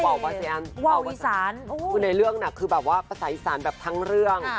ว่าวอีสานว่าวอีสานคือในเรื่องน่ะคือแบบว่าภาษาอีสานแบบทั้งเรื่อง